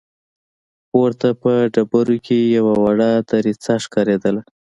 پورته په ډبرو کې يوه وړه دريڅه ښکارېدله.